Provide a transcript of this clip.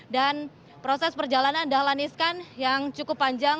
dan proses perjalanan dahlan iskan yang cukup panjang